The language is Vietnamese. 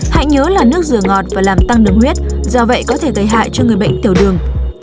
hãy nhớ là nước rửa ngọt và làm tăng đường huyết do vậy có thể gây hại cho người bệnh tiểu đường